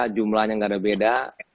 jumlahnya tidak ada beda